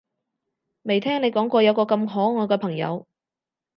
未聽你講過有個咁可愛嘅朋友